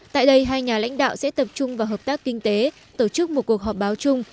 tại đây hai nhà lãnh đạo sẽ tập trung vào hợp tác kinh tế tổ chức một cuộc họp báo chung